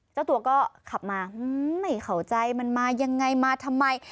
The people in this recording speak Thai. เจ้าตัวก็ขับมาไม่เข้าใจมันมายังไงมาทำไม